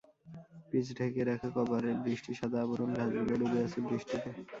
Pitch ঢেকে রাখা কভারে বৃষ্টির সাদা আবরণ, ঘাসগুলো ডুবে আছে বৃষ্টিতে।